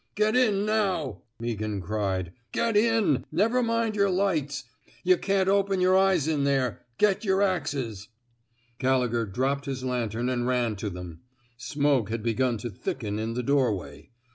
Get in, now,'* Meaghan cried. Get in I Never mind yer lights. Tuh can't open yer eyes in there. Get yer axes.'' Gallegher dropped his lantern and ran to them. Smoke had begun to thicken in the doorway.